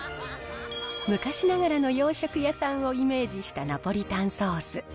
昔ながらの洋食屋さんをイメージしたナポリタンソース。